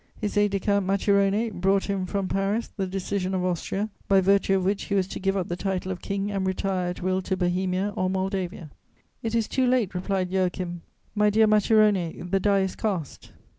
His aide de camp Macirone brought him from Paris the decision of Austria, by virtue of which he was to give up the title of King and retire at will to Bohemia or Moldavia: "It is too late," replied Joachim; "my dear Macirone, the die is cast."